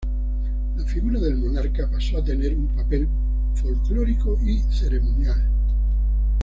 La figura del monarca pasó a tener un papel folklórico y ceremonial.